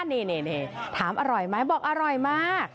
นี่ถามอร่อยไหมบอกอร่อยมาก